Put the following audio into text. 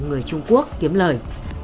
người trung quốc kiếm lời